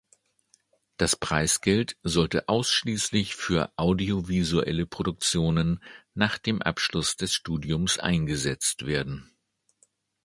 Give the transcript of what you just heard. Das Preisgeld sollte ausschließlich für audiovisuelle Produktionen nach dem Abschluss des Studiums eingesetzt werden.